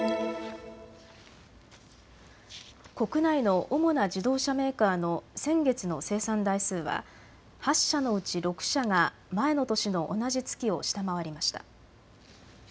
国内の主な自動車メーカーの先月の生産台数は８社のうち６社が前の年の同じ月を下回りました。